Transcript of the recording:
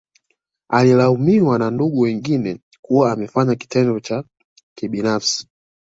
Alilaumiwa na ndugu wengine kuwa amefanya kitendo cha kibinafsi